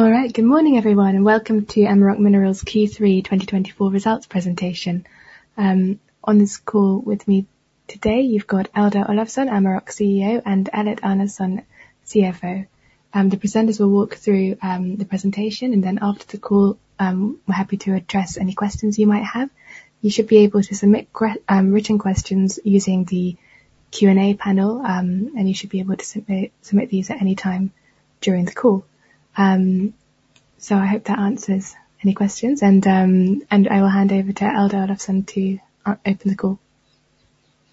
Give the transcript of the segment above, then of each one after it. All right, good morning everyone, and welcome to Amaroq Minerals Q3 2024 results presentation. On this call with me today, you've got Eldur Ólafsson, Amaroq CEO, and Ellert Arnarson, CFO. The presenters will walk through the presentation, and then after the call, we're happy to address any questions you might have. You should be able to submit written questions using the Q&A panel, and you should be able to submit these at any time during the call, so I hope that answers any questions, and I will hand over to Eldur Ólafsson to open the call.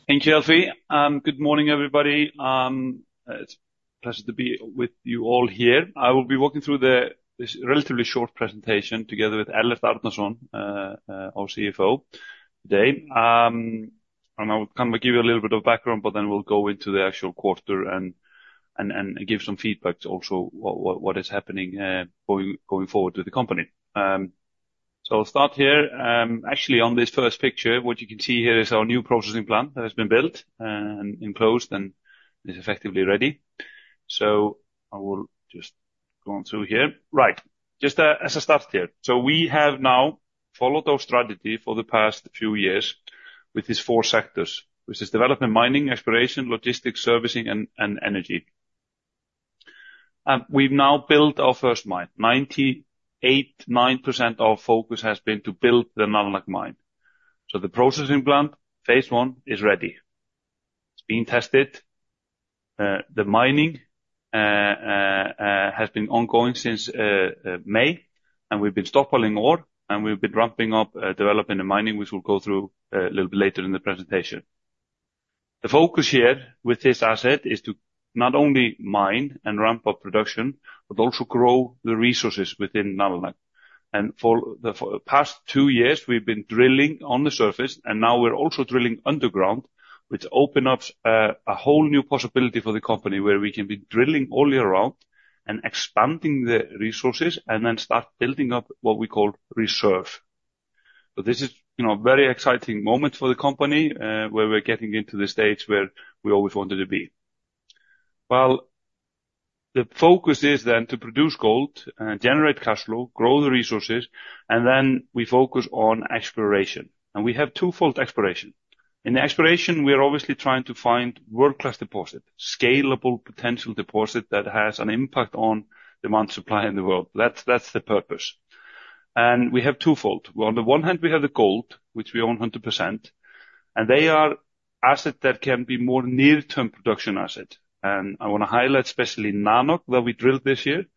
Thank you, Alette. Good morning everybody. It's a pleasure to be with you all here. I will be walking through the, this relatively short presentation together with Ellert Arnarson, our CFO, today. And I will kind of give you a little bit of background, but then we'll go into the actual quarter and, and, and give some feedback also what, what, what is happening, going, going forward with the company. So I'll start here. Actually, on this first picture, what you can see here is our new processing plant that has been built, and enclosed, and it's effectively ready. So I will just go on through here. Right, just, as I started here, so we have now followed our strategy for the past few years with these four sectors, which is development, mining, exploration, logistics, servicing, and, and energy. We've now built our first mine. 98.9% of focus has been to build the Nalunaq mine. The processing plant, phase I, is ready. It's been tested. The mining has been ongoing since May, and we've been stockpiling ore, and we've been ramping up, developing the mining, which we'll go through a little bit later in the presentation. The focus here with this asset is to not only mine and ramp up production, but also grow the resources within Nalunaq. For the past two years, we've been drilling on the surface, and now we're also drilling underground, which opens up a whole new possibility for the company where we can be drilling all year round and expanding the resources and then start building up what we call reserve. This is, you know, a very exciting moment for the company, where we're getting into the stage where we always wanted to be. The focus is then to produce gold, generate cash flow, grow the resources, and then we focus on exploration. And we have twofold exploration. In the exploration, we are obviously trying to find world-class deposit, scalable potential deposit that has an impact on demand supply in the world. That's, that's the purpose. And we have twofold. On the one hand, we have the gold, which we own 100%, and they are assets that can be more near-term production assets. And I want to highlight especially Nalunaq that we drilled this year,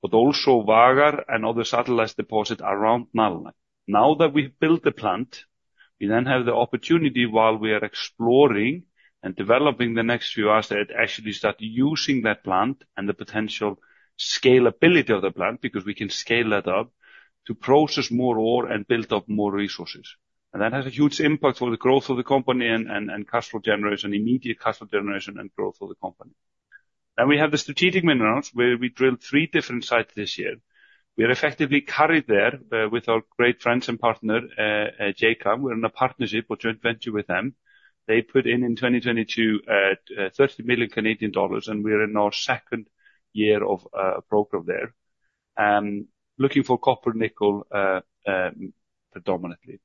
but also Vagar and other satellite deposits around Nalunaq. Now that we've built the plant, we then have the opportunity while we are exploring and developing the next few assets to actually start using that plant and the potential scalability of the plant because we can scale that up to process more ore and build up more resources. That has a huge impact for the growth of the company and cash flow generation, immediate cash flow generation and growth of the company. We have the strategic minerals where we drilled three different sites this year. We are effectively carried there, with our great friends and partner, ACAM LP. We're in a partnership or joint venture with them. They put in, in 2022, 30 million Canadian dollars, and we're in our second year of program there, looking for copper, nickel, predominantly.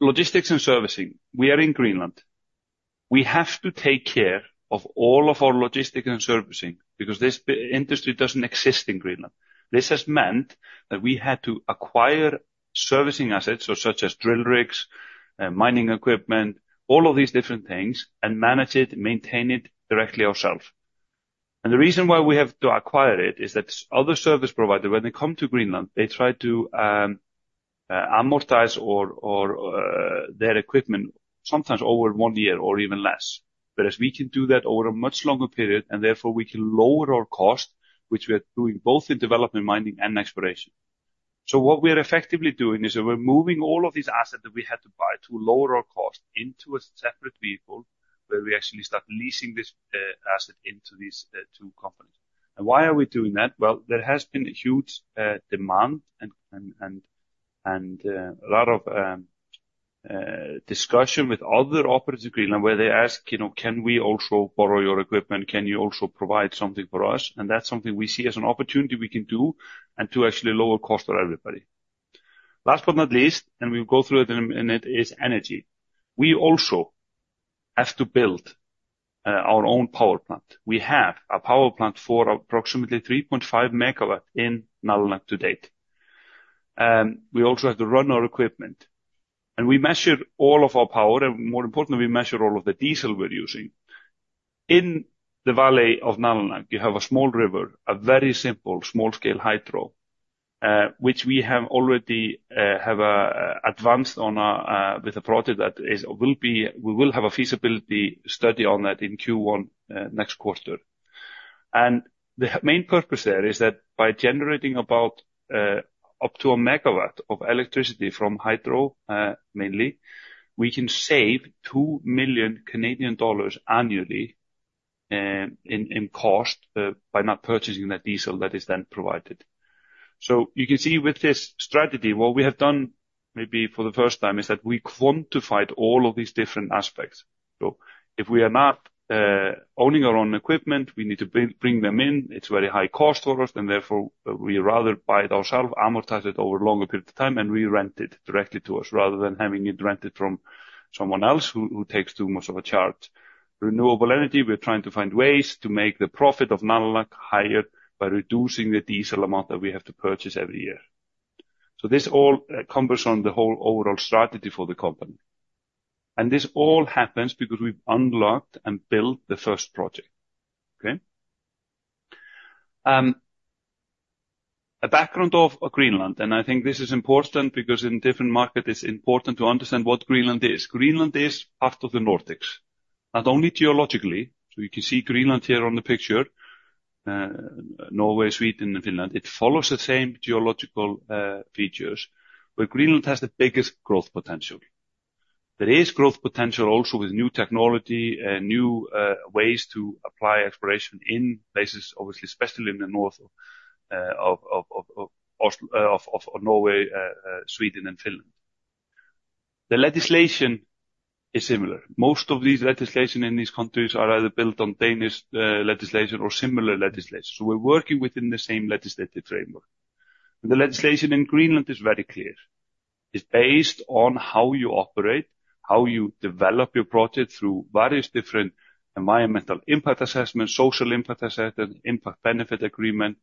Logistics and servicing. We are in Greenland. We have to take care of all of our logistics and servicing because this industry doesn't exist in Greenland. This has meant that we had to acquire servicing assets, such as drill rigs, mining equipment, all of these different things, and manage it, maintain it directly ourselves. The reason why we have to acquire it is that other service providers, when they come to Greenland, they try to amortize their equipment sometimes over one year or even less, whereas we can do that over a much longer period, and therefore we can lower our cost, which we are doing both in development, mining, and exploration. What we are effectively doing is that we're moving all of these assets that we had to buy to lower our cost into a separate vehicle where we actually start leasing this asset into these two companies. Why are we doing that? There has been a huge demand and a lot of discussion with other operators in Greenland where they ask, you know, can we also borrow your equipment? Can you also provide something for us? And that's something we see as an opportunity we can do and to actually lower cost for everybody. Last but not least, and we'll go through it in a minute, is energy. We also have to build our own power plant. We have a power plant for approximately 3.5 MW in Nalunaq to date. We also have to run our equipment, and we measure all of our power, and more importantly, we measure all of the diesel we're using. In the valley of Nalunaq, you have a small river, a very simple small-scale hydro, which we have already advanced on with a project that we will have a feasibility study on that in Q1, next quarter. The main purpose there is that by generating about up to a megawatt of electricity from hydro mainly, we can save 2 million Canadian dollars annually in cost by not purchasing that diesel that is then provided. You can see with this strategy what we have done maybe for the first time is that we quantified all of these different aspects. If we are not owning our own equipment, we need to bring them in. It's very high cost for us, and therefore we rather buy it ourselves, amortize it over a longer period of time, and we rent it directly to us rather than having it rented from someone else who takes too much of a charge. Renewable energy, we're trying to find ways to make the profit of Nalunaq higher by reducing the diesel amount that we have to purchase every year. This all centers on the whole overall strategy for the company. This all happens because we've unlocked and built the first project. Okay. A background of Greenland, and I think this is important because in different markets, it's important to understand what Greenland is. Greenland is part of the Nordics, not only geologically. You can see Greenland here on the picture, Norway, Sweden, and Finland. It follows the same geological features where Greenland has the biggest growth potential. There is growth potential also with new technology and new ways to apply exploration in places, obviously, especially in the north of Norway, Sweden, and Finland. The legislation is similar. Most of these legislations in these countries are either built on Danish legislation or similar legislation. We're working within the same legislative framework. The legislation in Greenland is very clear. It's based on how you operate, how you develop your project through various different environmental impact assessments, social impact assessments, Impact Benefit Agreements,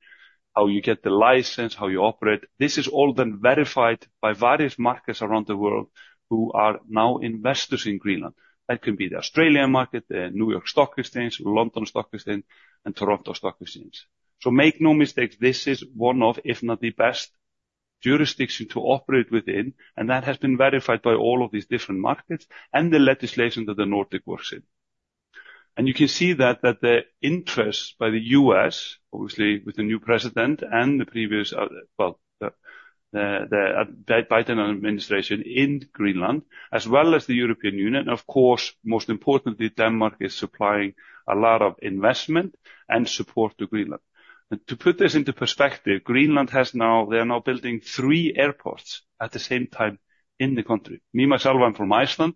how you get the license, how you operate. This is all then verified by various markets around the world who are now investors in Greenland. That can be the Australian market, the New York Stock Exchange, London Stock Exchange, and Toronto Stock Exchange. So make no mistakes, this is one of, if not the best, jurisdictions to operate within, and that has been verified by all of these different markets and the legislation that the Nordic works in. And you can see that the interests by the U.S., obviously with the new president and the previous, well, the Biden administration in Greenland, as well as the European Union, and of course, most importantly, Denmark is supplying a lot of investment and support to Greenland. To put this into perspective, Greenland has now; they're now building three airports at the same time in the country. Me, myself, I'm from Iceland,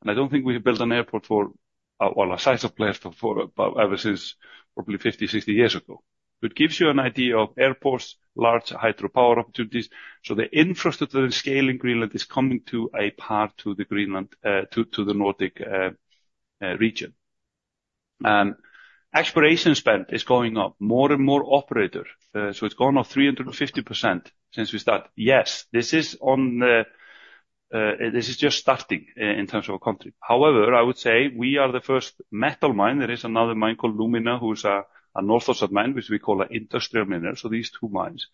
and I don't think we have built an airport for, well, a size of place, ever since probably 50, 60 years ago. It gives you an idea of airports, large hydropower opportunities. The infrastructure and scale in Greenland is coming to a par with the Nordic region. Exploration spend is going up more and more year-over-year, so it's gone up 350% since we start. Yes, this is just starting, in terms of a country. However, I would say we are the first metal mine. There is another mine called Lundin, which is a North Atlantic, which we call an industrial miner. So these two mines,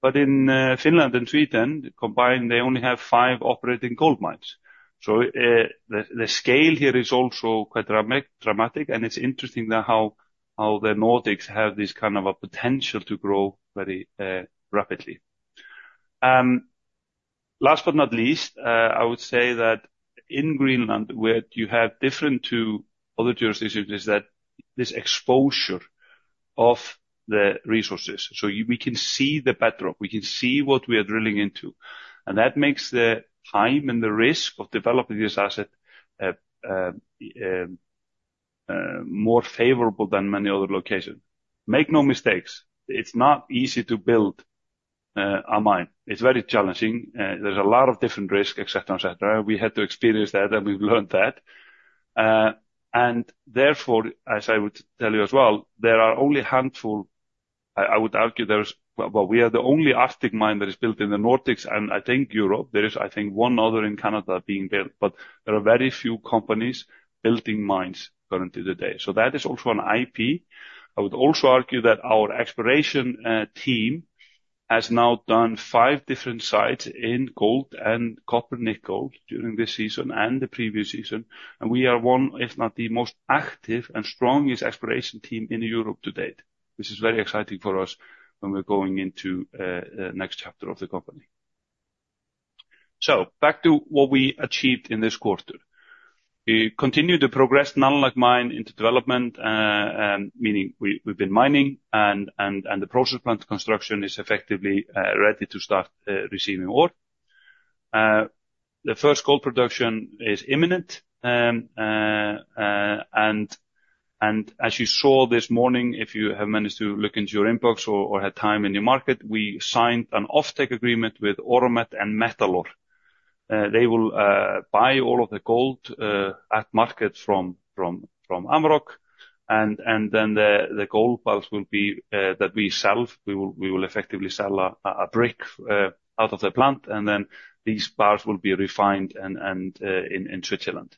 but in Finland and Sweden combined, they only have five operating gold mines. So, the scale here is also quite dramatic, and it's interesting that how the Nordics have this kind of a potential to grow very rapidly. Last but not least, I would say that in Greenland, where you have different to other jurisdictions, is that this exposure of the resources. So we can see the bedrock, we can see what we are drilling into, and that makes the time and the risk of developing this asset more favorable than many other locations. Make no mistakes, it's not easy to build a mine. It's very challenging. There's a lot of different risks, et cetera, et cetera. We had to experience that, and we've learned that. And therefore, as I would tell you as well, there are only a handful. I would argue there's well, we are the only Arctic mine that is built in the Nordics, and I think Europe. There is, I think, one other in Canada being built, but there are very few companies building mines currently today. So that is also an IP. I would also argue that our exploration team has now done five different sites in gold and copper, nickel during this season and the previous season, and we are one, if not the most active and strongest exploration team in Europe to date, which is very exciting for us when we're going into the next chapter of the company. So back to what we achieved in this quarter. We continue to progress Nalunaq mine into development, meaning we, we've been mining and the process plant construction is effectively ready to start receiving ore. The first gold production is imminent. As you saw this morning, if you have managed to look into your inbox or had time in your morning, we signed an off-take agreement with Auramet and Metalor. They will buy all of the gold at market from Amaroq, and then the gold bars that we sell, we will effectively sell a bar out of the plant, and then these bars will be refined in Switzerland.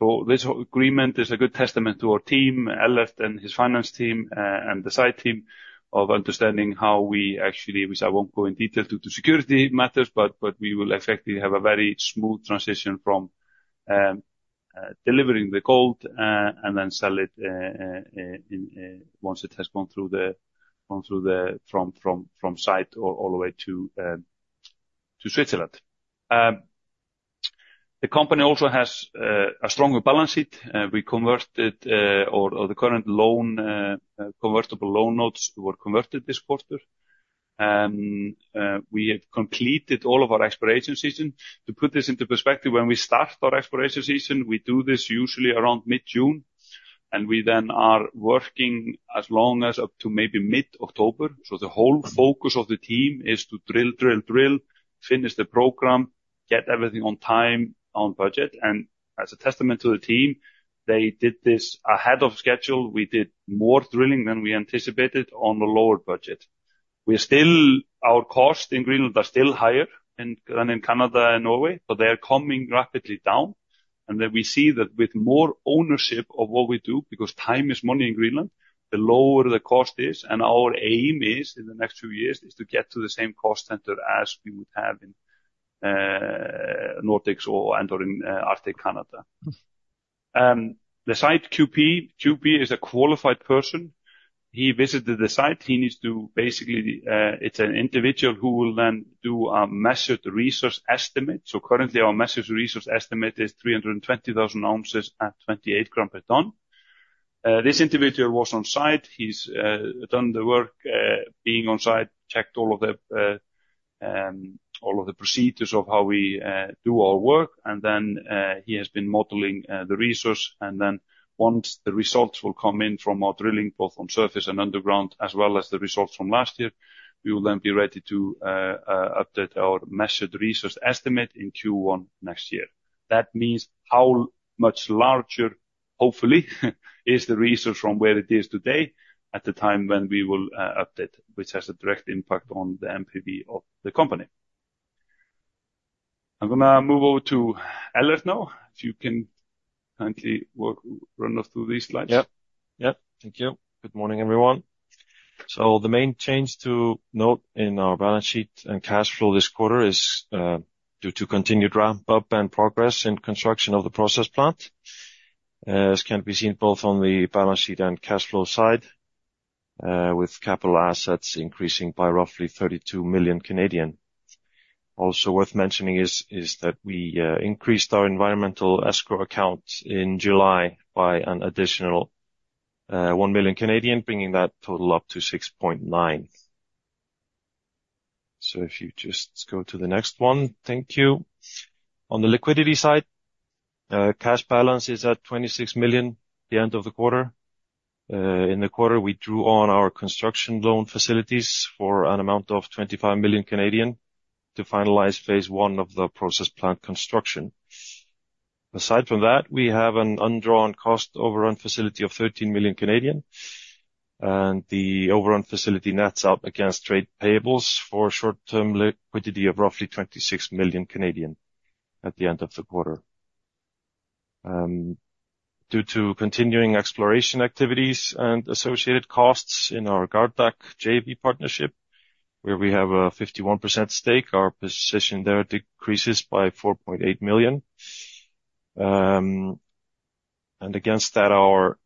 So this agreement is a good testament to our team, Ellert and his finance team, and the side team of understanding how we actually, which I won't go in detail due to security matters, but we will effectively have a very smooth transition from delivering the gold, and then sell it once it has gone through the from site all the way to Switzerland. The company also has a stronger balance sheet. We converted our current loan. Convertible loan notes were converted this quarter. We have completed all of our exploration season. To put this into perspective, when we start our exploration season, we do this usually around mid-June, and we then are working as long as up to maybe mid-October. So the whole focus of the team is to drill, drill, drill, finish the program, get everything on time, on budget. And as a testament to the team, they did this ahead of schedule. We did more drilling than we anticipated on a lower budget. We are still, our cost in Greenland are still higher than in Canada and Norway, but they are coming rapidly down. And then we see that with more ownership of what we do, because time is money in Greenland, the lower the cost is. And our aim is in the next few years is to get to the same cost center as we would have in, Nordics or, and or in, Arctic Canada. The site QP, QP is a Qualified Person. He visited the site. He needs to basically, it is an individual who will then do a Measured Resource estimate. So currently our Measured Resource estimate is 320,000 ounces at 28 grams per tonne. This individual was on site. He's done the work, being on site, checked all of the procedures of how we do our work. And then he has been modeling the resource. And then once the results will come in from our drilling, both on surface and underground, as well as the results from last year, we will then be ready to update our Measured Resource estimate in Q1 next year. That means how much larger, hopefully, is the resource from where it is today at the time when we will update, which has a direct impact on the NPV of the company. I'm gonna move over to Ellert now, if you can kindly walk us through these slides. Yep. Thank you. Good morning, everyone. So the main change to note in our balance sheet and cash flow this quarter is, due to continued ramp up and progress in construction of the process plant, as can be seen both on the balance sheet and cash flow side, with capital assets increasing by roughly 32 million. Also worth mentioning is that we increased our environmental escrow account in July by an additional 1 million, bringing that total up to 6.9 million. So if you just go to the next one, thank you. On the liquidity side, cash balance is at 26 million at the end of the quarter. In the quarter, we drew on our construction loan facilities for an amount of 25 million to finalize phase I of the process plant construction. Aside from that, we have an undrawn cost overrun facility of 13 million, and the overrun facility nets out against trade payables for short-term liquidity of roughly 26 million at the end of the quarter. Due to continuing exploration activities and associated costs in our Gardaq JV partnership, where we have a 51% stake, our position there decreases by 4.8 million, and against that, our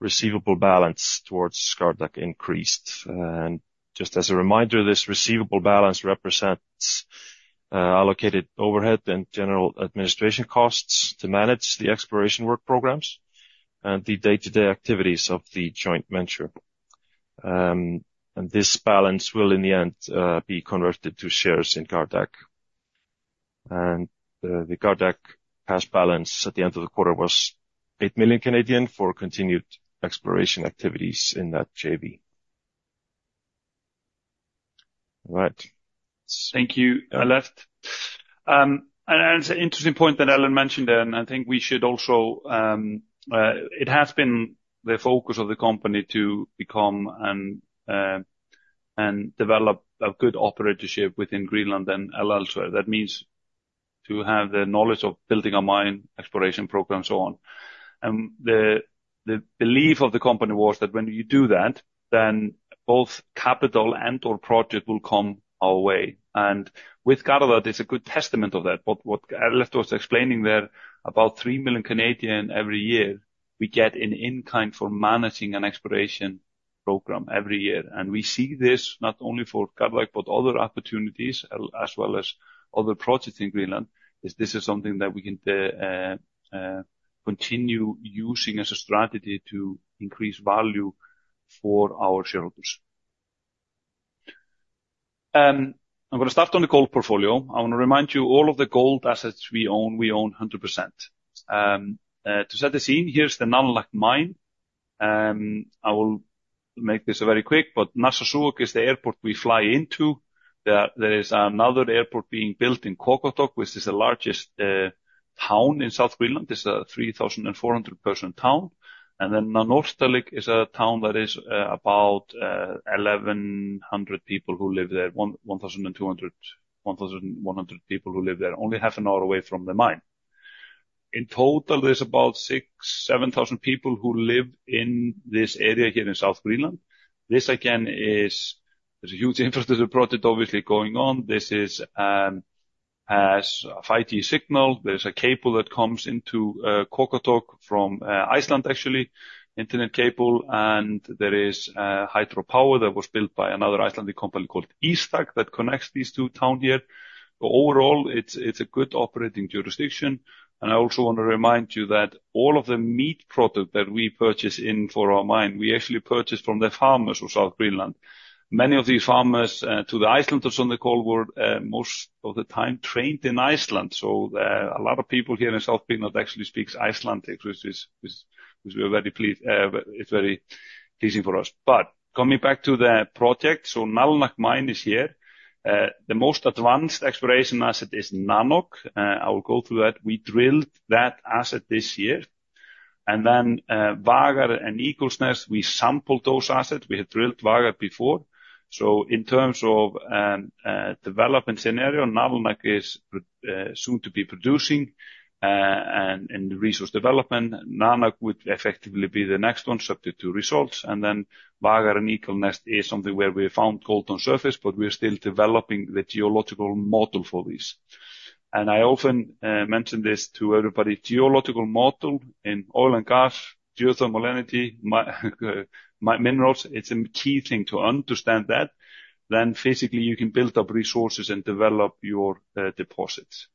receivable balance towards Gardaq increased, and just as a reminder, this receivable balance represents allocated overhead and general administration costs to manage the exploration work programs and the day-to-day activities of the joint venture, and this balance will in the end be converted to shares in Gardaq, and the Gardaq cash balance at the end of the quarter was 8 million for continued exploration activities in that JV. All right. Thank you, Ellert. It's an interesting point that Ellert mentioned there, and I think we should also. It has been the focus of the company to become and develop a good operatorship within Greenland and elsewhere. That means to have the knowledge of building a mine exploration program, so on. And the belief of the company was that when you do that, then both capital and/or project will come our way. And with Gardaq, it's a good testament of that. What Ellert was explaining there, about 3 million every year, we get in-kind for managing an exploration program every year. And we see this not only for Gardaq, but other opportunities, as well as other projects in Greenland. This is something that we can continue using as a strategy to increase value for our shareholders. I'm gonna start on the gold portfolio. I wanna remind you all of the gold assets we own, we own 100%. To set the scene, here's the Nalunaq mine. I will make this very quick, but Narsarsuaq is the airport we fly into. There is another airport being built in Qaqortoq, which is the largest town in South Greenland. It's a 3,400-person town. Then Nanortalik is a town that is about 1,100 people who live there, only half an hour away from the mine. In total, there's about 6,000-7,000 people who live in this area here in South Greenland. This again is, there's a huge infrastructure project obviously going on. This has a 5G signal. There's a cable that comes into Qaqortoq from Iceland, actually, internet cable. There is hydropower that was built by another Icelandic company called Ístak that connects these two towns here. Overall, it's a good operating jurisdiction. I also wanna remind you that all of the meat product that we purchase in for our mine, we actually purchase from the farmers of South Greenland. Many of these farmers, to the Icelanders on the call, were most of the time trained in Iceland. So, a lot of people here in South Greenland actually speaks Icelandic, which we are very pleased, it's very pleasing for us. Coming back to the project, the Nalunaq mine is here. The most advanced exploration asset is Nanoq. I'll go through that. We drilled that asset this year. Then, Vagar and Eagle's Nest, we sampled those assets. We had drilled Vagar before. In terms of development scenario, Nanoq is soon to be producing, and the resource development. Nanoq would effectively be the next one subject to results. Then Vagar and Eagle's Nest is something where we found gold on surface, but we are still developing the geological model for these. I often mention this to everybody. Geological model in oil and gas, geothermal energy, minerals, it's a key thing to understand that. Then physically you can build up resources and develop your deposits.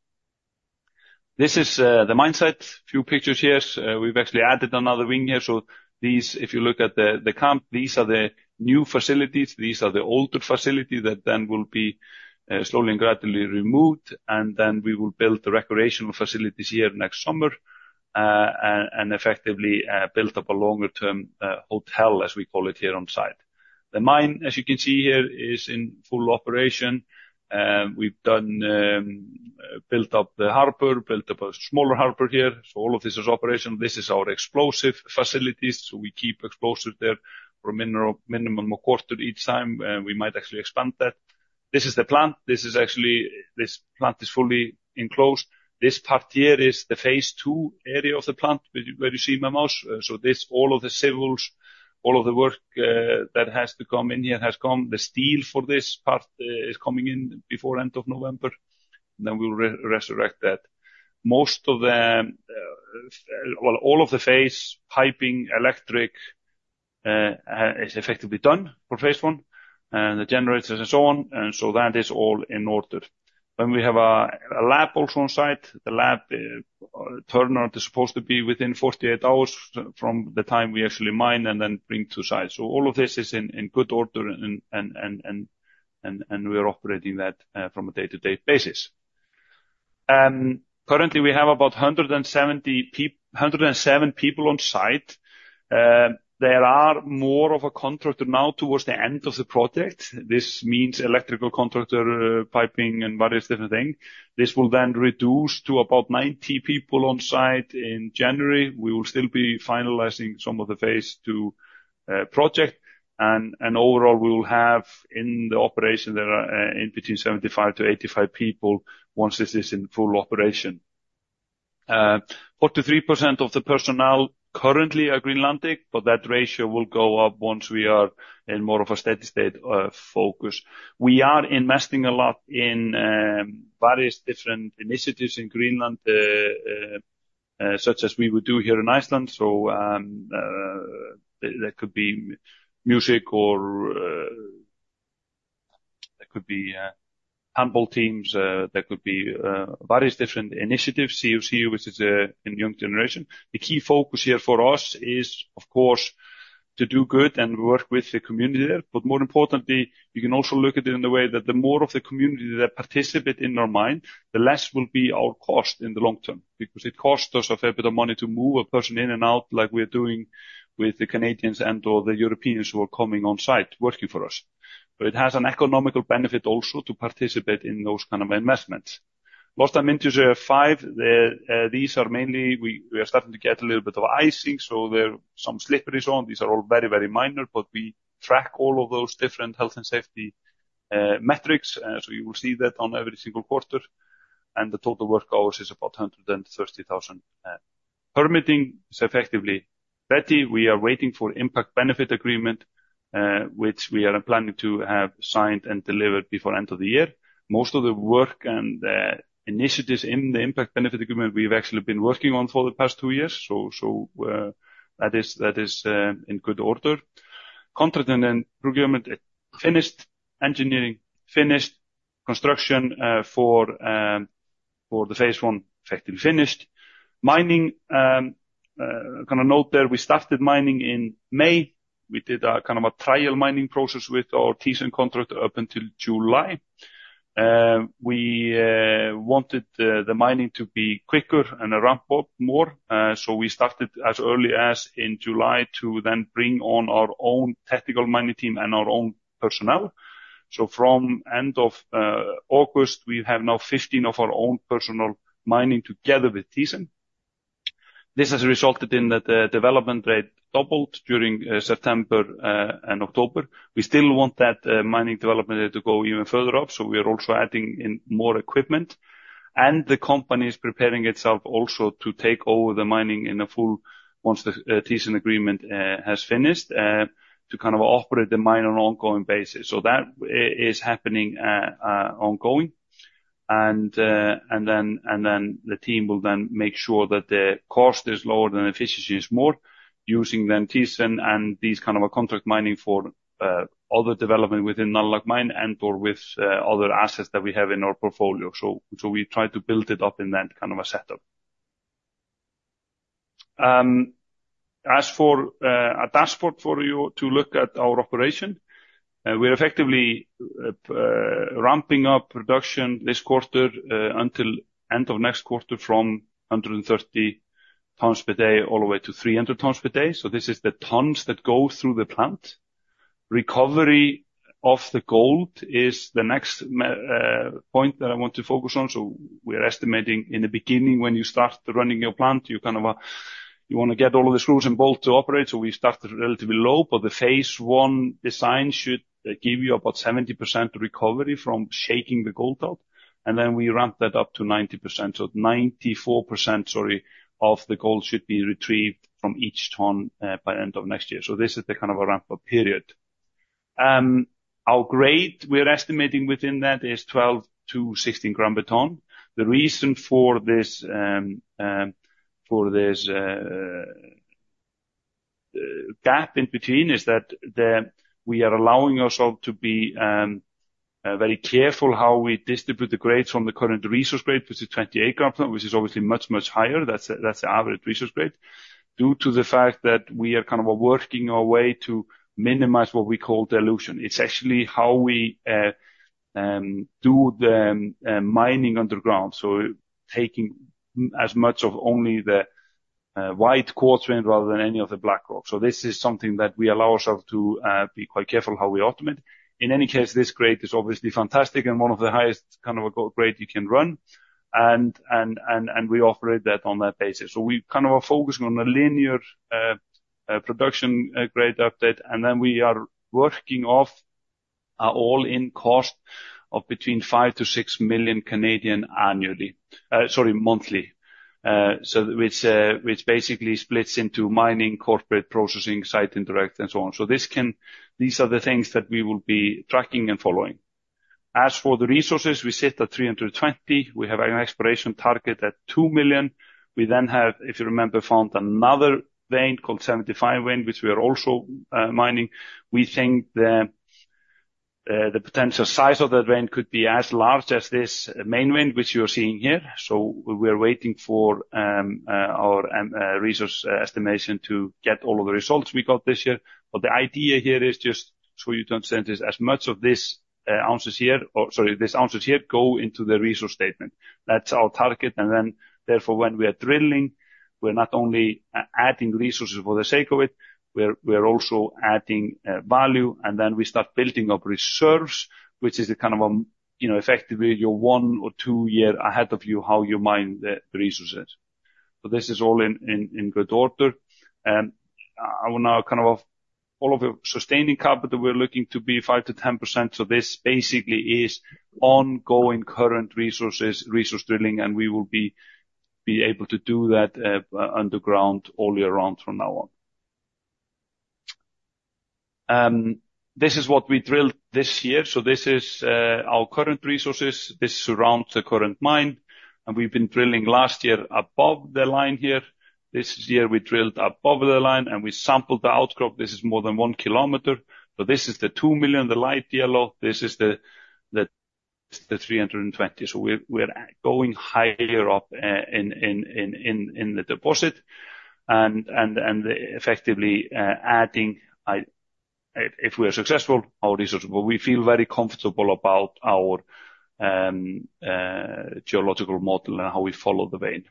This is the mine site. Few pictures here. We've actually added another wing here. So these, if you look at the camp, these are the new facilities. These are the older facilities that then will be slowly and gradually removed. Then we will build the recreational facilities here next summer, and effectively, build up a longer-term hotel, as we call it here on site. The mine, as you can see here, is in full operation. We've built up the harbor, built up a smaller harbor here. All of this is operational. This is our explosives facilities. We keep explosives there for a minimum of quarter each time. We might actually expand that. This is the plant. This is actually this plant is fully enclosed. This part here is the phase II area of the plant, which where you see my mouse. This, all of the civils, all of the work that has to come in here has come. The steel for this part is coming in before end of November. We'll erect that. Most of the, well, all of the phase piping electric, is effectively done for phase I and the generators and so on, and so that is all in order. When we have a lab also on site, the lab turnaround is supposed to be within 48 hours from the time we actually mine and then bring to site. So all of this is in good order and we are operating that from a day-to-day basis. Currently we have about 170 people, 107 people on site. There are more of a contractor now towards the end of the project. This means electrical contractor, piping and various different things. This will then reduce to about 90 people on site in January. We will still be finalizing some of the phase II project. Overall we will have in the operation there between 75-85 people once this is in full operation. 43% of the personnel currently are Greenlandic, but that ratio will go up once we are in more of a steady state focus. We are investing a lot in various different initiatives in Greenland, such as we would do here in Iceland. That could be music or that could be handball teams, that could be various different initiatives, Siu-Tsiu, which is in young generation. The key focus here for us is, of course, to do good and work with the community there. But more importantly, you can also look at it in the way that the more of the community that participate in our mine, the less will be our cost in the long term, because it costs us a fair bit of money to move a person in and out, like we are doing with the Canadians and/or the Europeans who are coming on site working for us, but it has an economical benefit also to participate in those kind of investments. Lost time incidents to five. These are mainly we are starting to get a little bit of icing, so there are some slippery zones. These are all very, very minor, but we track all of those different health and safety metrics, so you will see that on every single quarter, and the total work hours is about 130,000. Permitting is effectively ready. We are waiting for Impact Benefit Agreement, which we are planning to have signed and delivered before end of the year. Most of the work and initiatives in the Impact Benefit Agreement we've actually been working on for the past two years. So that is in good order. Contract and then procurement finished, engineering finished, construction for the phase I effectively finished. Mining, kind of note there. We started mining in May. We did a kind of a trial mining process with our Thyssen Schachtbau contractor up until July. We wanted the mining to be quicker and a ramp up more. So we started as early as in July to then bring on our own technical mining team and our own personnel. So from end of August, we have now 15 of our own personnel mining together with Thyssen Schachtbau. This has resulted in that the development rate doubled during September and October. We still want that mining development rate to go even further up. So we are also adding in more equipment. And the company is preparing itself also to take over the mining in full once the Thyssen Schachtbau agreement has finished, to kind of operate the mine on an ongoing basis. So that is happening ongoing. And then the team will then make sure that the cost is lower than efficiency is more, using then Thyssen Schachtbau and these kind of a contract mining for other development within Nanoq mine and/or with other assets that we have in our portfolio. So we try to build it up in that kind of a setup. As for a dashboard for you to look at our operation, we're effectively ramping up production this quarter until end of next quarter from 130 tonnes per day all the way to 300 tonnes per day. So this is the tonnes that go through the plant. Recovery of the gold is the next point that I want to focus on. So we are estimating in the beginning when you start running your plant, you kind of you wanna get all of the screws and bolts to operate. So we started relatively low, but the phase I design should give you about 70% recovery from shaking the gold out. And then we ramp that up to 90%. So 94%, sorry, of the gold should be retrieved from each tonne, by the end of next year. So this is the kind of a ramp up period. Our grade, we are estimating within that is 12-16 grams per tonne. The reason for this gap in between is that we are allowing ourselves to be very careful how we distribute the grades from the current resource grade, which is 28 grams per tonne, which is obviously much, much higher. That's the average resource grade due to the fact that we are kind of working our way to minimize what we call dilution. It's actually how we do the mining underground. So taking as much of only the white quartz range rather than any of the black rock. So this is something that we allow ourselves to be quite careful how we automate it. In any case, this grade is obviously fantastic and one of the highest kind of a grade you can run. We operate that on that basis. So we kind of are focusing on a linear production grade update. And then we are working off our all-in cost of between 5-6 million annually, sorry, monthly, which basically splits into mining, corporate processing, site interact, and so on. These are the things that we will be tracking and following. As for the resources, we sit at 320. We have an exploration target at 2 million. We then have, if you remember, found another vein called 75 Vein, which we are also mining. We think the potential size of that vein could be as large as this Main Vein, which you are seeing here. So we are waiting for our resource estimation to get all of the results we got this year. But the idea here is just so you don't see as much of this ounces here, or sorry, this ounces here go into the resource statement. That's our target. And then therefore, when we are drilling, we're not only adding resources for the sake of it, we're also adding value. And then we start building up reserves, which is the kind of a, you know, effectively your one or two year ahead of you how you mine the resources. So this is all in good order. I will now kind of a all of the sustaining capex, we're looking to be 5%-10%. So this basically is ongoing current resources, resource drilling, and we will be able to do that underground all year round from now on. This is what we drilled this year. So this is our current resources. This surrounds the current mine. We've been drilling last year above the line here. This year we drilled above the line and we sampled the outcrop. This is more than one kilometer, but this is the 2 million, the light yellow. This is the 320. So we're going higher up in the deposit and effectively adding, if we are successful, our resources, but we feel very comfortable about our geological model and how we follow the vein.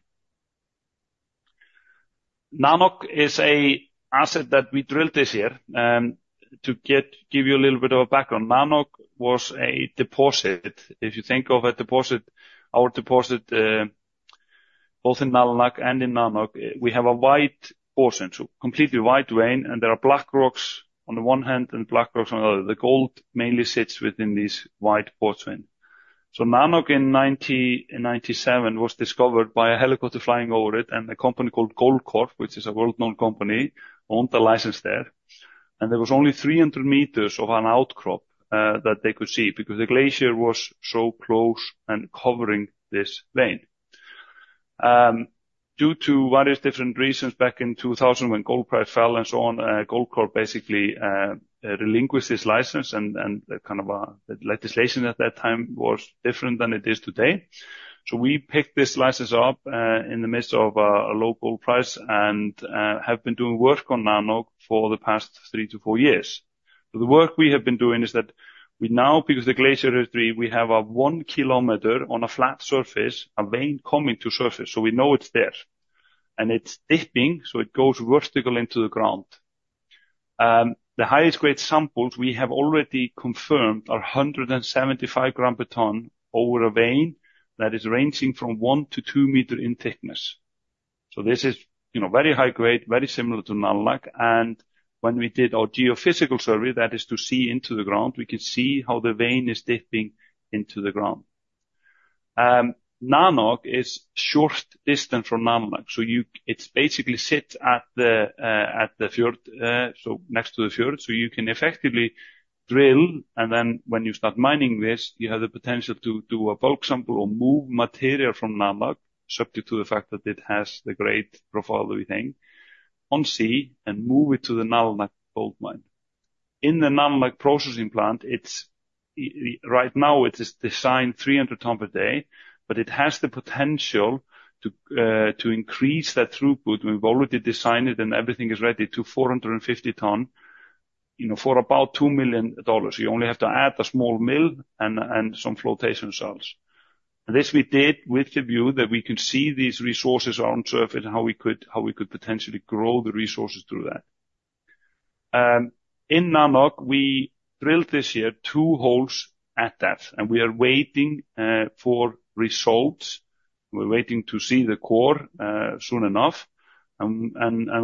Nanoq is a asset that we drilled this year to give you a little bit of a background. Nanoq was a deposit. If you think of a deposit, our deposit, both in Nanoq and in Nanoq, we have a white portion, so completely white vein, and there are black rocks on the one hand and black rocks on the other. The gold mainly sits within these white porcelain. Nanoq in 1997 was discovered by a helicopter flying over it and a company called Goldcorp, which is a world known company, owned the license there. There was only 300 meters of an outcrop that they could see because the glacier was so close and covering this vein. Due to various different reasons back in 2000 when gold price fell and so on, Goldcorp basically relinquished its license, and the kind of the legislation at that time was different than it is today. We picked this license up in the midst of a low gold price and have been doing work on Nanoq for the past three to four years. The work we have been doing is that we now, because the glacier history, we have a one kilometer on a flat surface, a vein coming to surface. So we know it's there and it's dipping. So it goes vertical into the ground. The highest grade samples we have already confirmed are 175 grams per tonne over a vein that is ranging from one to two meters in thickness. So this is, you know, very high grade, very similar to Nanoq. And when we did our geophysical survey, that is to see into the ground, we can see how the vein is dipping into the ground. Nanoq is a short distance from Nalunaq. So you, it's basically sits at the, at the fjord, so next to the fjord. So you can effectively drill and then when you start mining this, you have the potential to do a bulk sample or move material from Nanoq subject to the fact that it has the grade profile that we think on site and move it to the Nalunaq gold mine. In the Nalunaq processing plant, it's right now it is designed 300 tonne per day, but it has the potential to increase that throughput. We've already designed it and everything is ready to 450 tonne, you know, for about $2 million. You only have to add a small mill and some flotation cells. And this we did with the view that we can see these resources are on surface and how we could potentially grow the resources through that. At Nanoq, we drilled this year two holes at that and we are waiting for results. We're waiting to see the core, soon enough. And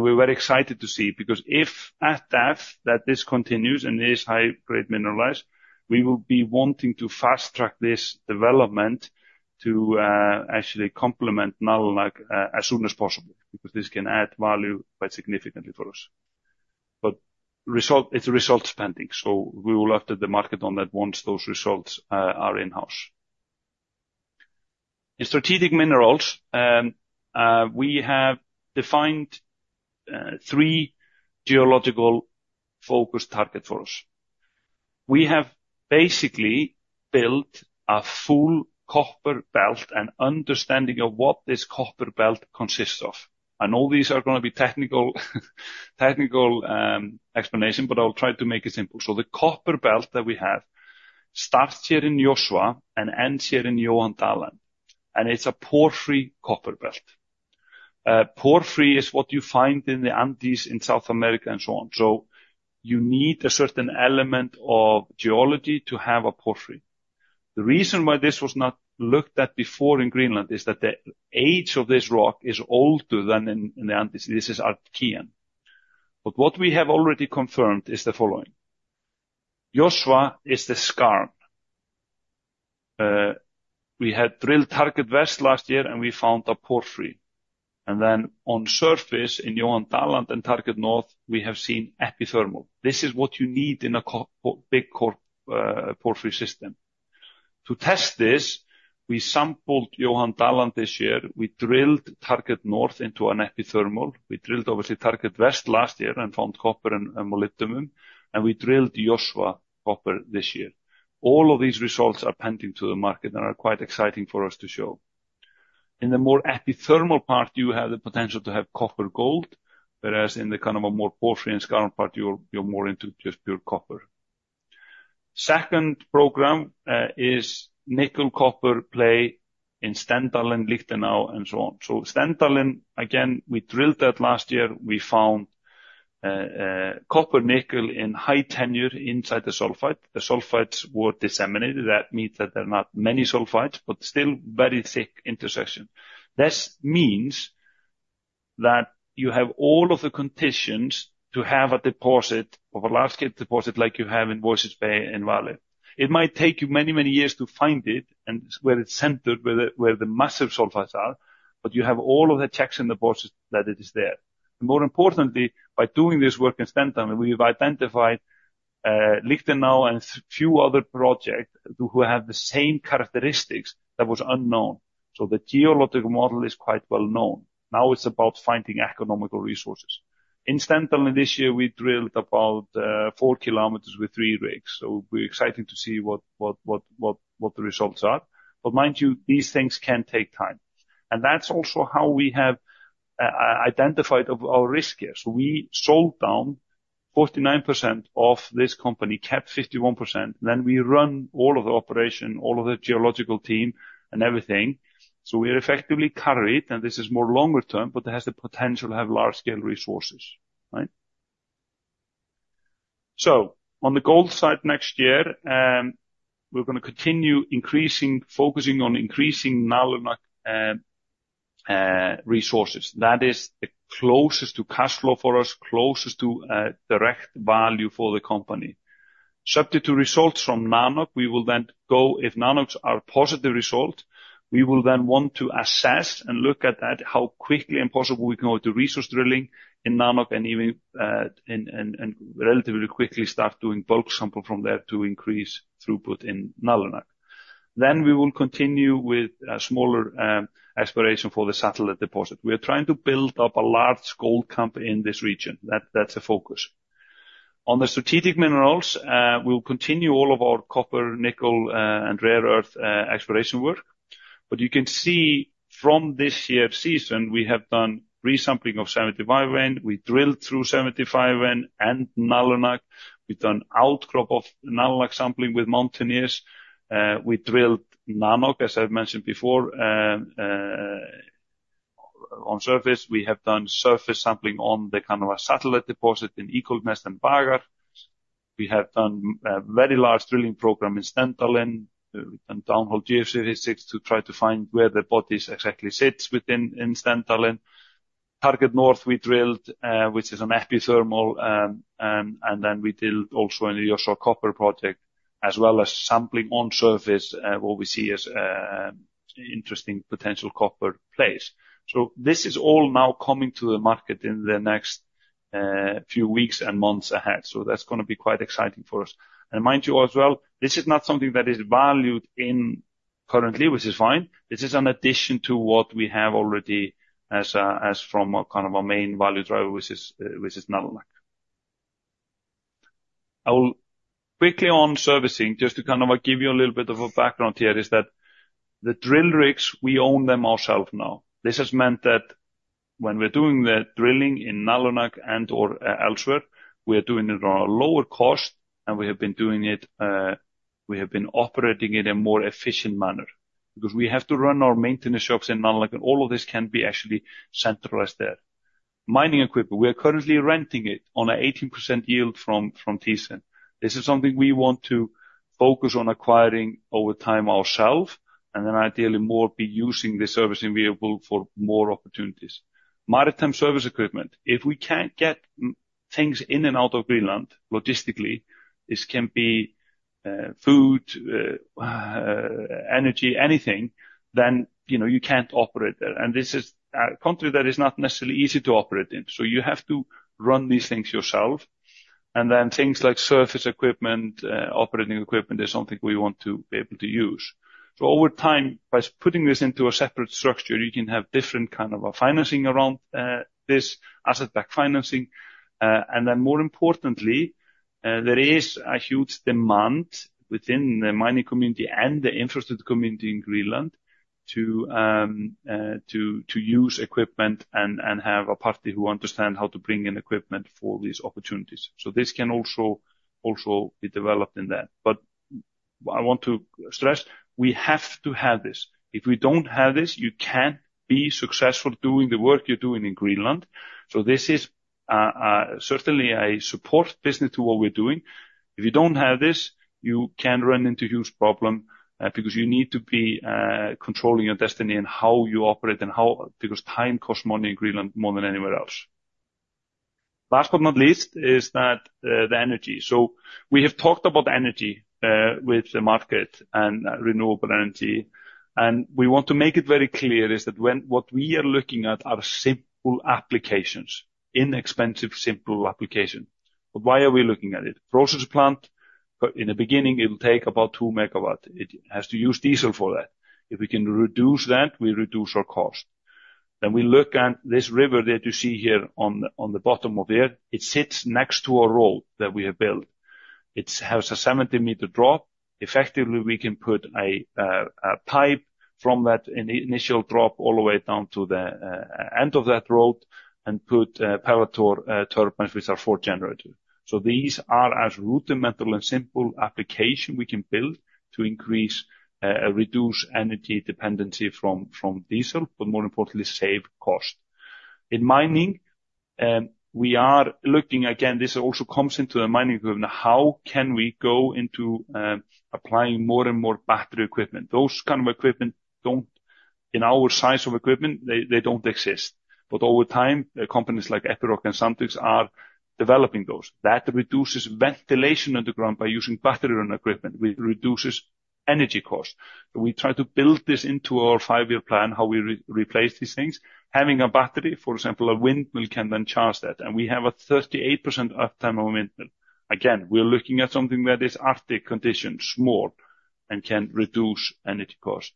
we're very excited to see because if at that this continues and it is high grade mineralized, we will be wanting to fast track this development to, actually complement Nanoq as soon as possible because this can add value quite significantly for us. But result, it's a result spending. We will look at the market on that once those results are in-house. In strategic minerals, we have defined three geological focus targets for us. We have basically built a full copper belt and understanding of what this copper belt consists of. And all these are gonna be technical explanation, but I'll try to make it simple. The copper belt that we have starts here in Josva and ends here in Johan Dahl Land. It's a porphyry copper belt. Porphyry is what you find in the Andes in South America and so on. So you need a certain element of geology to have a porphyry. The reason why this was not looked at before in Greenland is that the age of this rock is older than in the Andes. This is Archean. But what we have already confirmed is the following. Josva is the skarn. We had drilled Target West last year and we found a porphyry. And then on surface in Johan Dahl Land and Target North, we have seen epithermal. This is what you need in a big copper porphyry system. To test this, we sampled Johan Dahl Land this year. We drilled Target North into an epithermal. We drilled obviously Target West last year and found copper and molybdenum. And we drilled Josva copper this year. All of these results are presented to the market and are quite exciting for us to show. In the more epithermal part, you have the potential to have copper-gold, whereas in the kind of a more porphyry and skarn part, you're, you're more into just pure copper. Second program is nickel-copper play in Stendalen, Lichtenau and so on. So Stendalen, again, we drilled that last year. We found copper-nickel in high tenor inside the sulfide. The sulfides were disseminated. That means that there are not many sulfides, but still very thick intersection. This means that you have all of the conditions to have a deposit of a large-scale deposit like you have in Voisey's Bay in Labrador. It might take you many, many years to find it and where it's centered, where the massive sulfides are, but you have all of the checks in the process that it is there. And more importantly, by doing this work in Stendalen, we've identified Lichtenau and a few other projects who have the same characteristics that was unknown. So the geological model is quite well known. Now it's about finding economical resources. In Stendalen this year, we drilled about four kilometers with three rigs. So we're excited to see what the results are. But mind you, these things can take time. And that's also how we have identified our risk here. So we sold down 49% of this company, kept 51%, and then we run all of the operation, all of the geological team and everything. So we are effectively carried, and this is more longer term, but it has the potential to have large scale resources, right? So on the gold side next year, we're gonna continue increasing, focusing on increasing Nanoq resources. That is the closest to cash flow for us, closest to direct value for the company. Subject to results from Nanoq, we will then go, if Nanoqs are positive results, we will then want to assess and look at that, how quickly and possible we can go to resource drilling in Nanoq and even and relatively quickly start doing bulk sample from there to increase throughput in Nanoq. Then we will continue with a smaller exploration for the satellite deposit. We are trying to build up a large gold camp in this region. That's a focus. On the strategic minerals, we'll continue all of our copper, nickel, and rare earth, exploration work. But you can see from this year's season, we have done resampling of 75 Vein. We drilled through 75 Vein and Nanoq. We've done outcrop of Nanoq sampling with mountaineers. We drilled Nanoq, as I've mentioned before, on surface. We have done surface sampling on the kind of a satellite deposit in Eagle's Nest and Vagar. We have done a very large drilling program in Stendalen. We've done downhole geophysics to try to find where the body exactly sits within Stendalen. Target North we drilled, which is an epithermal. And then we drilled also in the Josva copper project, as well as sampling on surface, what we see as interesting potential copper place. So this is all now coming to the market in the next few weeks and months ahead. So that's gonna be quite exciting for us. And mind you as well, this is not something that is valued currently, which is fine. This is an addition to what we have already as a, as from a kind of a main value driver, which is, which is Nanoq. I'll quickly on sourcing, just to kind of give you a little bit of a background here, is that the drill rigs, we own them ourselves now. This has meant that when we're doing the drilling in Nanoq and/or elsewhere, we are doing it on a lower cost and we have been doing it, we have been operating it in a more efficient manner because we have to run our maintenance shops in Nanoq and all of this can be actually centralized there. Mining equipment, we are currently renting it on an 18% yield from Thyssen. This is something we want to focus on acquiring over time ourselves and then ideally more be using the servicing vehicle for more opportunities. Maritime service equipment, if we can't get things in and out of Greenland logistically, this can be food, energy, anything, then, you know, you can't operate there, and this is a country that is not necessarily easy to operate in, so you have to run these things yourself, and then things like surface equipment, operating equipment is something we want to be able to use, so over time, by putting this into a separate structure, you can have different kind of a financing around this, asset-backed financing. And then more importantly, there is a huge demand within the mining community and the infrastructure community in Greenland to use equipment and have a party who understands how to bring in equipment for these opportunities. So this can also be developed in that. But I want to stress, we have to have this. If we don't have this, you can't be successful doing the work you're doing in Greenland. So this is certainly a support business to what we're doing. If you don't have this, you can run into huge problems, because you need to be controlling your destiny and how you operate and how, because time costs money in Greenland more than anywhere else. Last but not least is that, the energy. We have talked about energy, with the market and renewable energy, and we want to make it very clear is that when what we are looking at are simple applications, inexpensive, simple application. Why are we looking at it? Processing plant in the beginning, it'll take about two megawatts. It has to use diesel for that. If we can reduce that, we reduce our cost. We look at this river that you see here on the bottom here. It sits next to a road that we have built. It has a 70 meter drop. Effectively, we can put a pipe from that initial drop all the way down to the end of that road and put power tower turbines, which are four generators. These are as rudimentary and simple applications we can build to increase, reduce energy dependency from diesel, but more importantly, save cost. In mining, we are looking again. This also comes into the mining equipment. How can we go into applying more and more battery equipment? Those kind of equipment don't, in our size of equipment, they don't exist. But over time, companies like Epiroc and Sandvik are developing those that reduces ventilation underground by using battery run equipment. It reduces energy cost. We try to build this into our five year plan, how we replace these things. Having a battery, for example, a windmill can then charge that. We have a 38% uptime momentum. Again, we are looking at something that is Arctic conditions, small, and can reduce energy cost.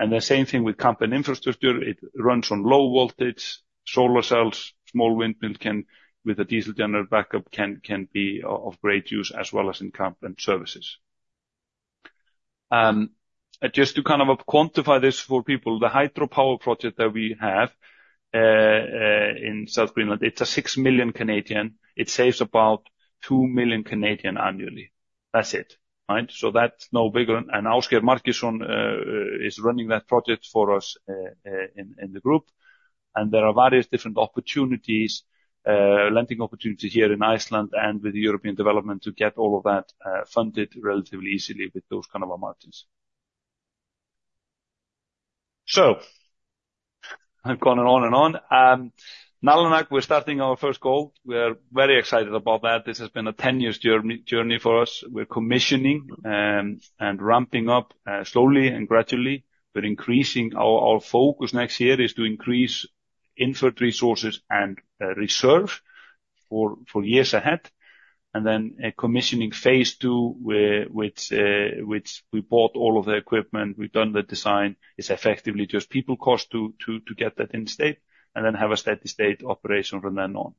The same thing with camp and infrastructure. It runs on low voltage, solar cells, small windmill, with a diesel generator backup, can be of great use as well as in camp and services. Just to kind of quantify this for people, the hydropower project that we have, in South Greenland, it's a 6 million. It saves about 2 million annually. That's it, right? So that's no bigger. And Ásgeir Margeirsson is running that project for us, in the group. And there are various different opportunities, lending opportunities here in Iceland and with the European development to get all of that, funded relatively easily with those kind of margins. So I've gone on and on. Nalunaq, we're starting our first gold. We are very excited about that. This has been a 10-year journey for us. We're commissioning, and ramping up, slowly and gradually. We're increasing our focus next year is to increase Inferred Resources and resources for years ahead. And then commissioning phase II, which we bought all of the equipment, we've done the design, it's effectively just people costs to get that in place and then have a steady state operation from then on.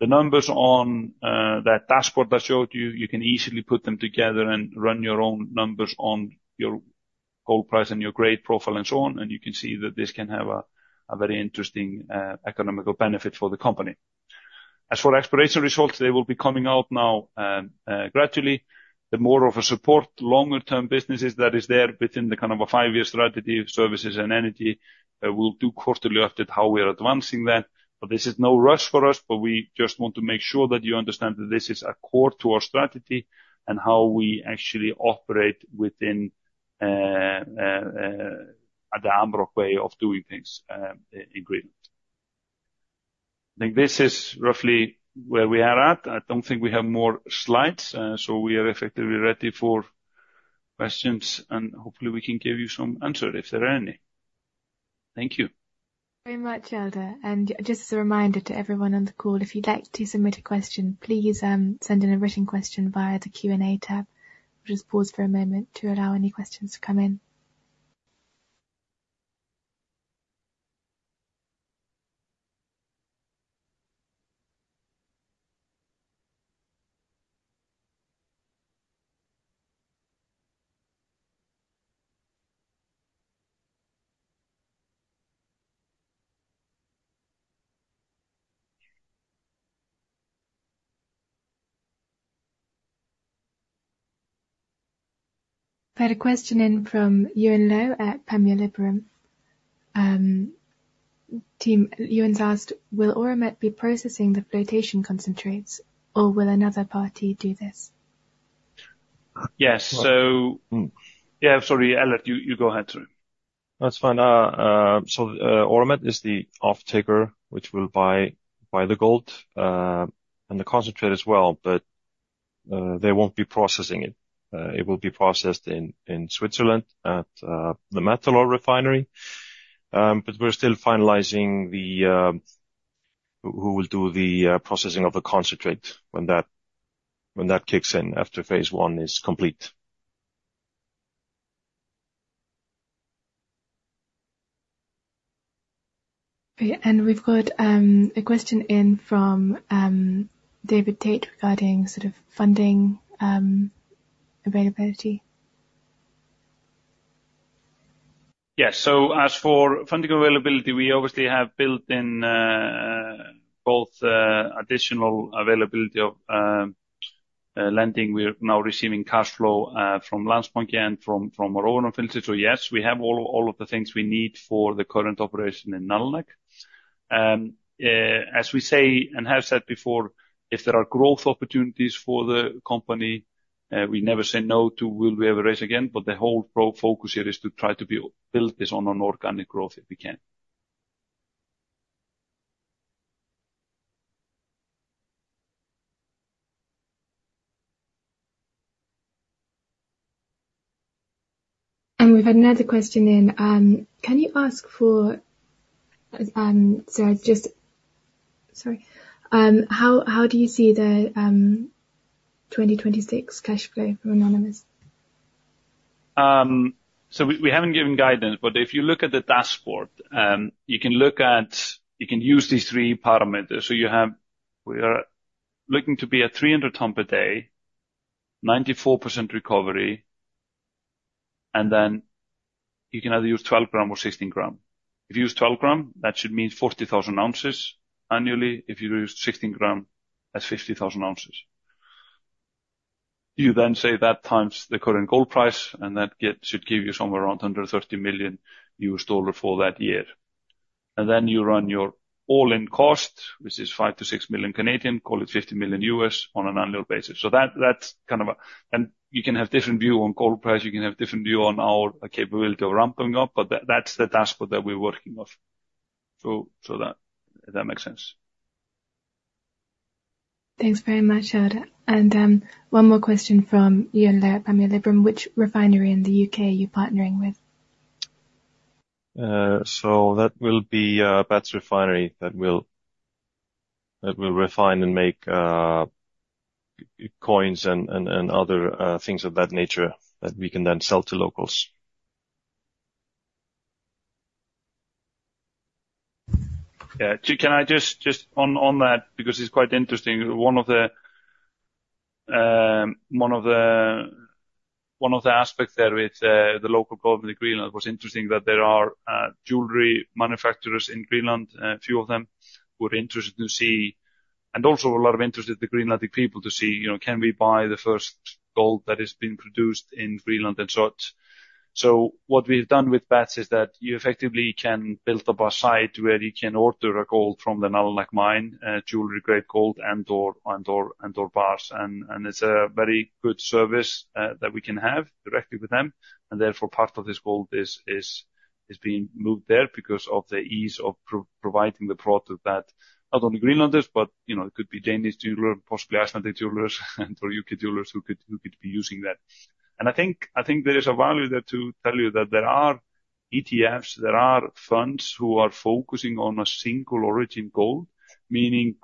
The numbers on that dashboard I showed you, you can easily put them together and run your own numbers on your gold price and your grade profile and so on. And you can see that this can have a very interesting economic benefit for the company. As for exploration results, they will be coming out now, gradually. The more support for longer-term businesses that is there within the kind of a five-year strategy, services and energy, we'll do quarterly updates on how we are advancing that. But this is no rush for us, but we just want to make sure that you understand that this is a core to our strategy and how we actually operate within the Amaroq way of doing things, in Greenland. I think this is roughly where we are at. I don't think we have more slides, so we are effectively ready for questions and hopefully we can give you some answer if there are any. Thank you very much, Eldur. And just as a reminder to everyone on the call, if you'd like to submit a question, please send in a written question via the Q&A tab. We'll just pause for a moment to allow any questions to come in. We had a question in from Yuen Low at Panmure Liberum. Yuen's asked, will Auramet be processing the flotation concentrates or will another party do this? Yes. Yeah, sorry, Ellert, you go ahead, sorry. That's fine. Auramet is the off-taker, which will buy the gold and the concentrate as well, but they won't be processing it. It will be processed in Switzerland at the Metalor refinery. But we're still finalizing who will do the processing of the concentrate when that kicks in after phase I is complete. Okay. And we've got a question in from David Tate regarding sort of funding availability. Yes. As for funding availability, we obviously have built in both additional availability of lending. We are now receiving cash flow from Nalunaq and from our own operations. Yes, we have all the things we need for the current operation in Nalunaq. As we say and have said before, if there are growth opportunities for the company, we never say no to. Will we ever raise again? But the whole focus here is to try to build this on an organic growth if we can. And we've had another question in. How do you see the 2026 cash flow for Amaroq's? So we haven't given guidance, but if you look at the dashboard, you can look at. You can use these three parameters. So you have. We are looking to be at 300 tonnes a day, 94% recovery, and then you can either use 12 grams or 16 grams. If you use 12 grams, that should mean 40,000 ounces annually. If you use 16 grams, that's 50,000 ounces. You then say that times the current gold price, and that should give you somewhere around $130 million for that year. And then you run your all-in cost, which is 5-6 million CAD, call it $50 million on an annual basis. So that, that's kind of a, and you can have a different view on gold price. You can have a different view on our capability of ramping up, but that's the dashboard that we're working off. So that, if that makes sense. Thanks very much, Eldur. And one more question from Yuen Low at Panmure Liberum. Which refinery in the UK are you partnering with? So that will be a Betts refinery that will refine and make coins and other things of that nature that we can then sell to locals. Yeah. Can I just on that, because it's quite interesting, one of the aspects there with the local government in Greenland was interesting that there are jewelry manufacturers in Greenland, a few of them who are interested to see, and also a lot of interest in the Greenlandic people to see, you know, can we buy the first gold that has been produced in Greenland and such. So what we've done with Betts is that you effectively can build up a site where you can order gold from the Nalunaq mine, jewelry grade gold and/or bars. It's a very good service that we can have directly with them. Therefore part of this gold is being moved there because of the ease of providing the product that not only Greenlanders, but, you know, it could be Danish jewelers, possibly Icelandic jewelers, and/or UK jewelers who could be using that. I think there is a value there to tell you that there are ETFs, there are funds who are focusing on a single origin gold, meaning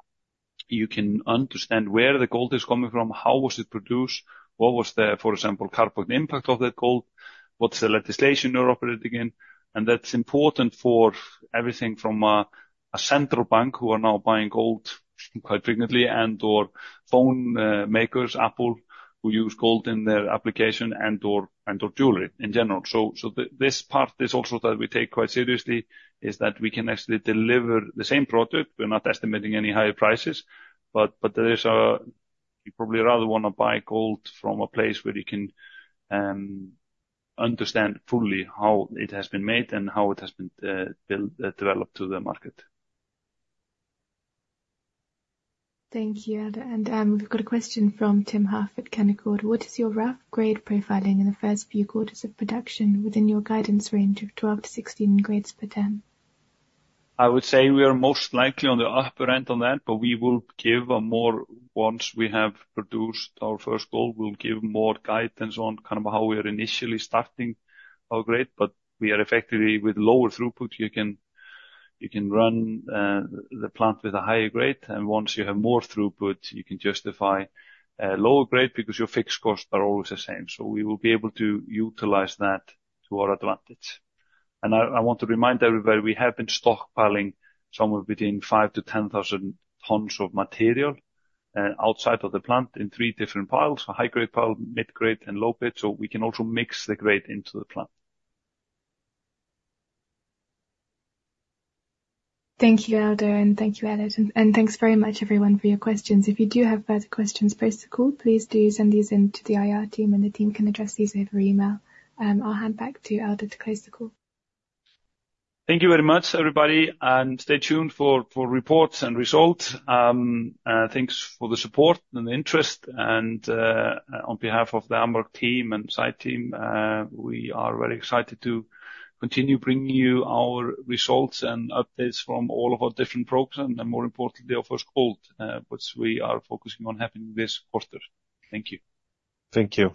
you can understand where the gold is coming from, how was it produced, what was the, for example, carbon impact of that gold, what's the legislation there operated again. That's important for everything from a central bank who are now buying gold quite frequently and/or phone makers, Apple, who use gold in their application and/or jewelry in general. This part is also that we take quite seriously is that we can actually deliver the same product. We're not estimating any higher prices, but there is a, you probably rather want to buy gold from a place where you can understand fully how it has been made and how it has been built, developed to the market. Thank you, Eldur. We've got a question from Tim Huff from Canaccord. What is your rough grade profiling in the first few quarters of production within your guidance range of 12-16 grams per tonne? I would say we are most likely on the upper end of that, but we will give more once we have produced our first gold. We'll give more guidance on kind of how we are initially starting our grade. But we are effectively with lower throughput. You can run the plant with a higher grade. Once you have more throughput, you can justify a lower grade because your fixed costs are always the same. We will be able to utilize that to our advantage. I want to remind everybody we have been stockpiling somewhere between 5000-10,000 tonnes of material, outside of the plant in three different piles: a high grade pile, mid grade, and low grade. We can also mix the grade into the plant. Thank you, Eldur, and thank you, Ellert. Thanks very much, everyone, for your questions. If you do have further questions post the call, please do send these into the IR team and the team can address these over email. I'll hand back to Eldur to close the call. Thank you very much, everybody. Stay tuned for reports and results. Thanks for the support and the interest. On behalf of the Amaroq team and site team, we are very excited to continue bringing you our results and updates from all of our different programs and more importantly, our first gold, which we are focusing on having this quarter. Thank you. Thank you.